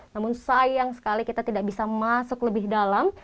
namun sayang sekali kita tidak bisa masuk lebih dalam